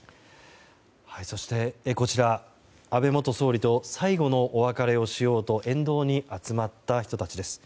そして、安倍元総理と最後のお別れをしようと沿道に集まった人たちです。